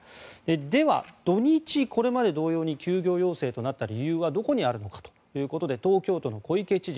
では、土日、これまで同様に休業要請となった理由はどこにあるのかということで東京都の小池知事